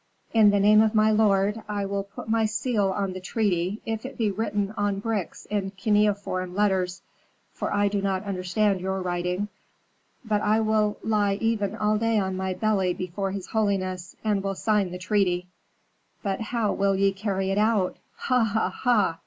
In the name of my lord I will put my seal on the treaty, if it be written on bricks in cuneiform letters, for I do not understand your writing. I will lie even all day on my belly before his holiness, and will sign the treaty. But how will ye carry it out, ha! ha! ha!